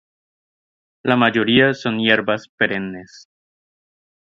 La mayoría son hierbas perennes.